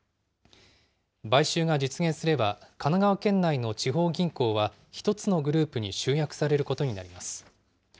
買収が実現すれば、神奈川県内の地方銀行は１つのグループに集約されることになります。